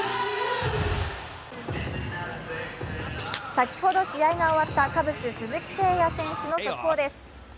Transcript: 先ほど試合が終わったカブス、鈴木誠也選手の速報です。